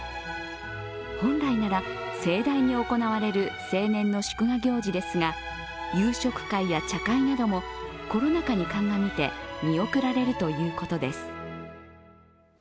本来なら盛大に行われる成年の祝賀行事ですが、夕食会や茶会などもコロナ禍に鑑みて見送られるということです。